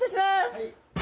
はい。